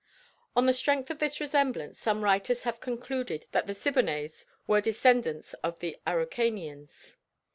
On the strength of this resemblance some writers have concluded that the Siboneyes were descendants of the Araucanians.